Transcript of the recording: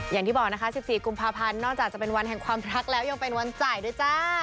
อย่างที่บอกนะคะ๑๔กุมภาพันธ์นอกจากจะเป็นวันแห่งความรักแล้วยังเป็นวันจ่ายด้วยจ้า